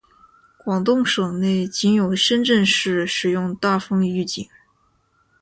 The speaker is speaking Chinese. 广东省内仅有深圳市使用大风预警。